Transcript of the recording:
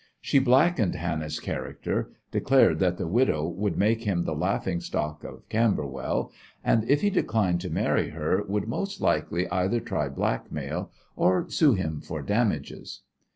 She blackened Hannah's character, declared that the widow would make him the laughing stock of Camberwell, and, if he declined to marry her, would most likely either try blackmail or sue him for damages.